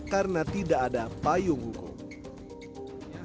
karena tidak ada payung hukum